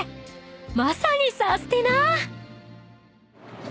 ［まさにサスティな！］